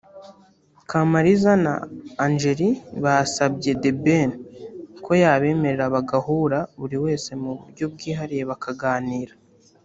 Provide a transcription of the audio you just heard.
Kamariza na Angell basabye The Ben ko yabemerera bagahura buri wese mu buryo bwihariye bakaganira